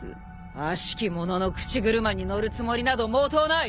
あしき者の口車に乗るつもりなど毛頭ない！